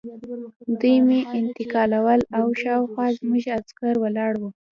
دوی مې انتقالول او شاوخوا زموږ عسکر ولاړ وو